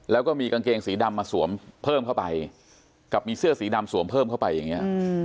แล้วก็มีกางเกงสีดำมาสวมเพิ่มเข้าไปกับมีเสื้อสีดำสวมเพิ่มเข้าไปอย่างนี้